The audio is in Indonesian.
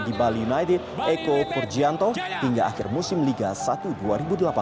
di bali united eko purjianto hingga akhir musim liga satu dua ribu delapan belas